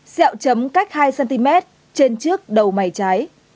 xẹo chấm cách hai cm trên trước đầu mày trái